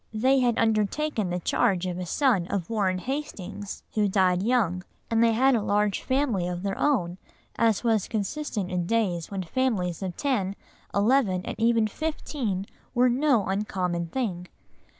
They had undertaken the charge of a son of Warren Hastings, who died young, and they had a large family of their own, as was consistent in days when families of ten, eleven, and even fifteen were no uncommon thing.